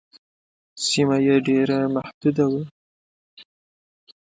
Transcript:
سیمه یې ډېره محدوده وه.